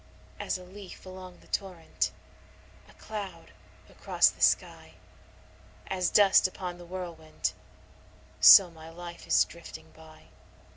As a leaf along the torrent, a cloud across the sky, As dust upon the whirlwind, so my life is drifting by.